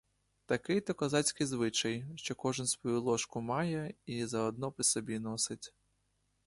Такий то козацький звичай, що кожен свою ложку має і заодно при собі носить.